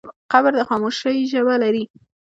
قبر د خاموشۍ ژبه لري.